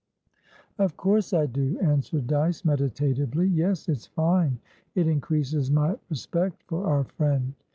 "Of course I do," answered Dyce, meditatively. "Yes, it's fine. It increases my respect for our friend."